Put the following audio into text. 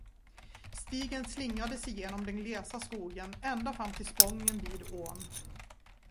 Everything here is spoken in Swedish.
Stigen slingrade sig genom den glesa skogen, ända fram till spången vid ån.